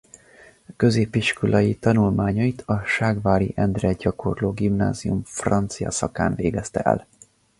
Középiskolai tanulmányait a Ságvári Endre Gyakorló Gimnázium francia szakán végezte el.